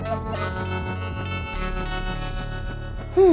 aduh aduh saki saki bu